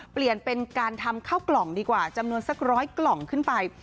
เปลี่ยนเป็นการทำข้าวกล่องดีกว่าจำนวนสักร้อยกล่องขึ้นไป